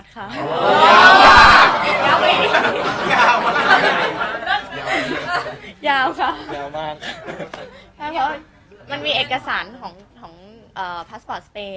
ขอบคุณครับ